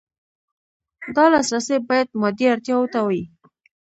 دا لاسرسی باید مادي اړتیاوو ته وي.